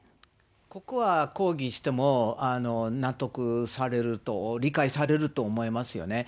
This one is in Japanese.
ここは抗議しても、納得されると、理解されると思いますよね。